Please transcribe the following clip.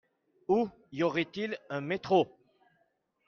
Où y aurait-il un métro ?